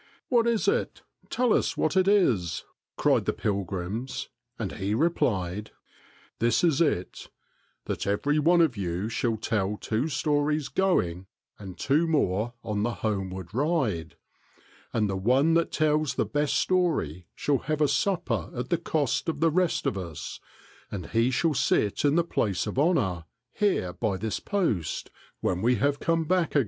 "What is it? Tell us what it is !" cried the pilgrims, and he replied, " This is it, that every one of you shall tell two stories going and two more on the homeward ride ; and the one that tells the best story shall have a supper at the cost of the rest of us, and he shall sit in the place of honor, here by this post, when we have come back again.